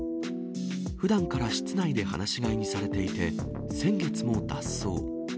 ふだんから室内で放し飼いにされていて、先月も脱走。